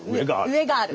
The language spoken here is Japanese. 上がある。